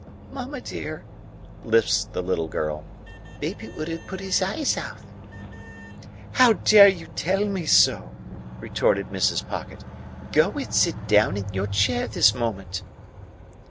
"Mamma dear," lisped the little girl, "baby ood have put hith eyeth out." "How dare you tell me so?" retorted Mrs. Pocket. "Go and sit down in your chair this moment!"